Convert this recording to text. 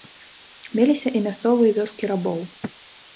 Меліся і мясцовыя вёскі рабоў.